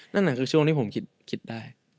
นั่นน่ะคือช่วงที่ผมคิดได้